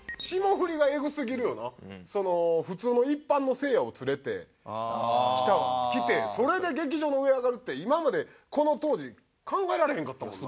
その普通の一般のせいやを連れて来てそれで劇場の上上がるって今までこの当時考えられへんかったもんな。